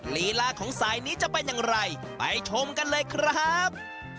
ลีลาของสายนี้จะเป็นอย่างไรไปชมกันเลยครับ